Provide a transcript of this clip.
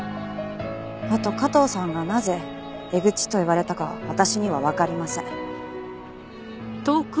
あと加藤さんがなぜエグチと言われたか私にはわかりません。